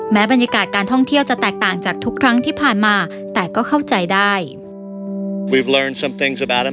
บรรยากาศการท่องเที่ยวจะแตกต่างจากทุกครั้งที่ผ่านมาแต่ก็เข้าใจได้